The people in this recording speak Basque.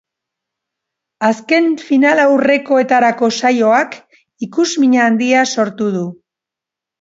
Azken finalaurrekoetarako saioak ikusmina handia sortu du.